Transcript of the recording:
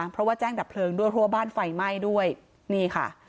เพราะว่าแจ้งดับเพลิงด้วยเพราะว่าบ้านไฟไหม้ด้วยนี่ค่ะ